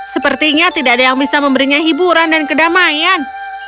sepertinya tidak ada yang bisa memberinya hiburan dan kedamaian